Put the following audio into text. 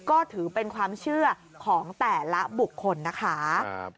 ก็ถือเป็นความเชื่อของแต่ละบุคคลนะคะ